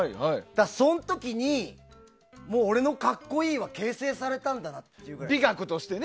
その時に俺の格好いいは形成されたんだなっていうくらい。